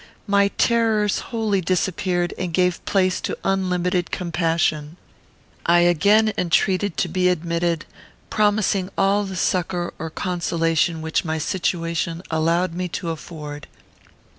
My terrors wholly disappeared, and gave place to unlimited compassion. I again entreated to be admitted, promising all the succour or consolation which my situation allowed me to afford.